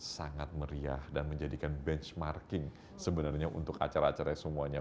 sangat meriah dan menjadikan benchmarking sebenarnya untuk acara acara semuanya